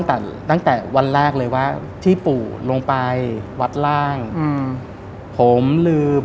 ตั้งแต่วันแรกเลยว่าที่ปู่ลงไปวัดล่างอืมผมลืม